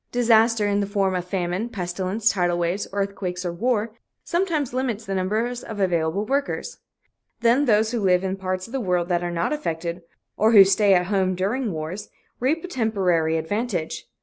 Disaster, in the form of famine, pestilence, tidal waves, earthquakes or war, sometimes limits the number of available workers. Then those who live in parts of the world that are not affected, or who stay at home during wars, reap a temporary advantage.